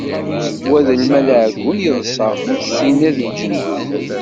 Ula d lmal aɛeggun yeḍṣa ma d tinna i d lǧennet.